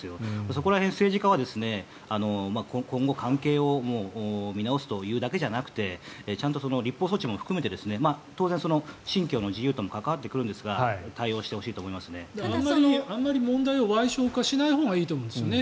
そこら辺、政治家は今後関係を見直すだけじゃなくてちゃんと立法措置も含めて当然、信教の自由とも関わってきますがあまり問題をわい小化しないほうがいいと思うんですよね。